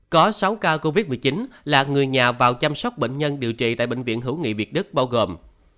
có sáu ca covid một mươi chín là người nhà vào chăm sóc bệnh nhân điều trị tại bệnh viện hữu nghị việt đức bao gồm